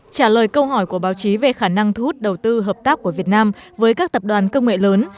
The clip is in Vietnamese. trả lời câu hỏi của báo chí về khả năng thu hút đầu tư hợp tác của việt nam với các tập đoàn công nghệ lớn